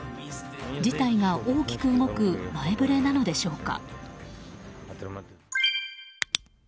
事態が大きく動く前触れなのでしょうか。